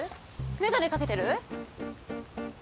眼鏡かけてる？